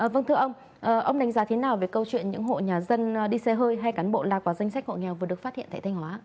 vâng thưa ông ông đánh giá thế nào về câu chuyện những hộ nhà dân đi xe hơi hay cán bộ lạc vào danh sách hộ nghèo vừa được phát hiện tại thanh hóa